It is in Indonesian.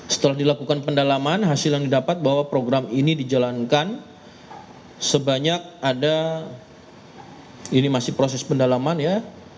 setelah dilakukan pendalaman hasil yang didapat bahwa program ini dijalankan sebanyak ada ini masih proses pendalaman ya